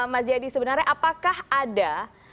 mas jaya dianan sebenarnya apakah ada